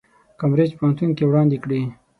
کمبریج پوهنتون کې وړاندې کړي.